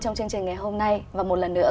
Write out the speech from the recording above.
trong chương trình ngày hôm nay và một lần nữa